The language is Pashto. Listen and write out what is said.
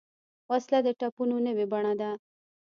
وسله د ټپونو نوې بڼه ده